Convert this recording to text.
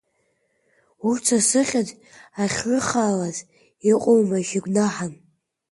Урҭ са сыхьӡ ахьрыххалаз, иҟоумашь игәнаҳан?